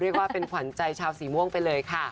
ว่าเป็นขวัญใจชาวสีม่วงไปเลยค่ะ